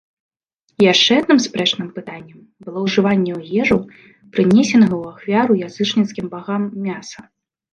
Яшчэ аднім спрэчным пытаннем было ўжыванне ў ежу прынесенага ў ахвяру язычніцкім багам мяса.